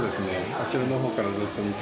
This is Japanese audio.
あちらの方からずっと見て。